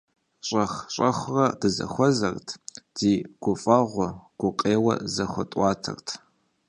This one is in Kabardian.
Щӏэх-щӏэхыурэ дызэхуэзэрт, ди гуфӀэгъуэ, гукъеуэ зэхуэтӀуатэрт.